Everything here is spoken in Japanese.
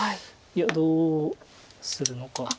いやどうするのか。